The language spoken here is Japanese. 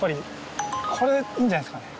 これいいんじゃないっすかね。